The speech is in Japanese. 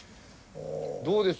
どうです？